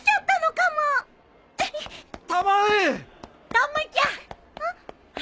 たまちゃん！